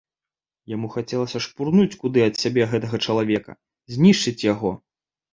Яму хацелася шпурнуць куды ад сябе гэтага чалавека, знішчыць яго.